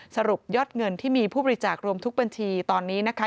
สรุปยอดเงินที่มีผู้บริจาครวมทุกบัญชีตอนนี้นะคะ